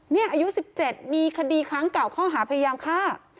นี่อายุ๑๗มีคดีครั้งเก่าข้อหาพยายามฆ่า